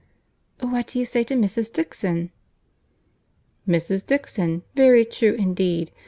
"What do you say to Mrs. Dixon?" "Mrs. Dixon! very true indeed.